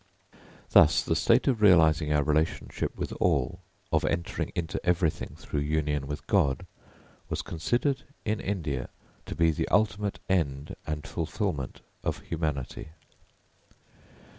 */] Thus the state of realising our relationship with all, of entering into everything through union with God, was considered in India to be the ultimate end and fulfilment of humanity.